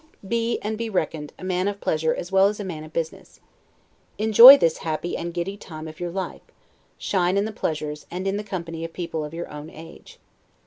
Be, and be reckoned, a man of pleasure as well as a man of business. Enjoy this happy and giddy time of your life; shine in the pleasures, and in the company of people of your own age.